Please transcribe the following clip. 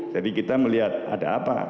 jadi kita melihat ada apa